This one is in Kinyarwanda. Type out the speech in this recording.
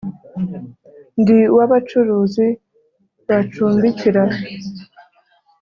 ndi uw’abacuruzi bacumbikira